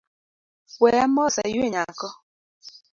Weya mos ayue nyako